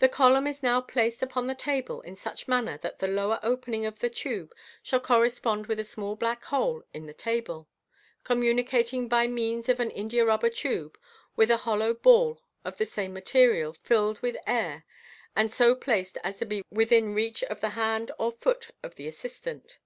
The column is now placed upon the table in such manner that the lower opening of the tube shall correspond with a small hole in the table, communicating by means of an india rubber tube with a hollow ball of the same material, filled with air, and so placed as to be within reach of the hand or foot of the assistant.